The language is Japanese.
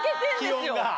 気温が。